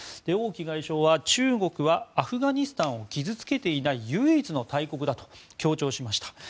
王毅外相は中国はアフガニスタンを傷つけていない唯一の大国だと強調しました。